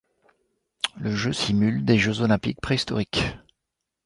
Le jeu simule des jeux olympiques préhistoriques.